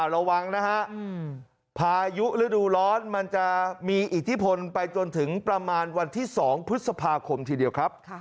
ระวังนะฮะพายุฤดูร้อนมันจะมีอิทธิพลไปจนถึงประมาณวันที่๒พฤษภาคมทีเดียวครับ